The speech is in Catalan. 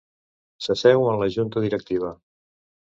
S'asseu en la junta directiva.